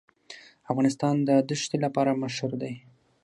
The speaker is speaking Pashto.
افغانستان د دښتې لپاره مشهور دی.